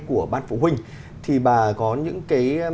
của ban phụ huynh thì bà có những cái